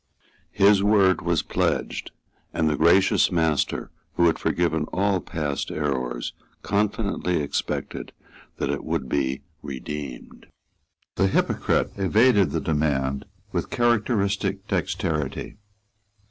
His word was pledged; and the gracious master who had forgiven all past errors confidently expected that it would be redeemed. The hypocrite evaded the demand with characteristic dexterity.